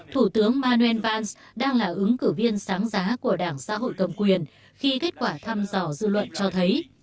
thủ tướng manuel pans đang là ứng cử viên sáng giá của đảng xã hội cầm quyền khi kết quả thăm dò dư luận cho thấy